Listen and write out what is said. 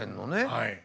はい。